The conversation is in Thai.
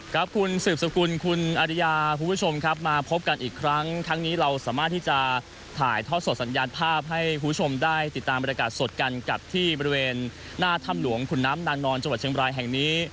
ครับคุณสืบสกุลคุณอริยาคุณผู้ชมครับมาพบกันอีกครั้งครั้งนี้เราสามารถที่จะถ่ายทอดสดสัญญาณภาพให้คุณผู้ชมได้ติดตามบรรยากาศสดกันกับที่บริเวณหน้าถ้ำหลวงขุนน้ำนางนอนจังหวัดเชียงบรายแห่งนี้